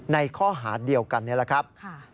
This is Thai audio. ในข้อหาเดียวกันนี่แหละครับ